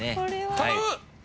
頼む！